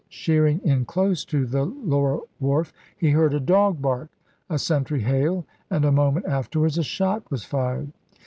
ii. sheering in close to the lower wharf he heard a dog bark, a sentry hail, and a moment afterwards a shot was fired.